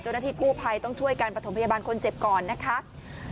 เจ้าหน้าที่กู้ภัยต้องช่วยการประถมพยาบาลคนเจ็บก่อนนะคะ